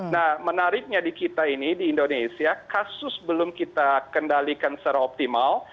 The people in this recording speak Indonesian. nah menariknya di kita ini di indonesia kasus belum kita kendalikan secara optimal